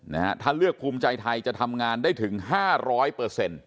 นะฮะถ้าเลือกภูมิใจไทยจะทำงานได้ถึงห้าร้อยเปอร์เซ็นต์